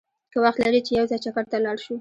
که وخت لرې چې یو ځای چکر ته لاړ شو!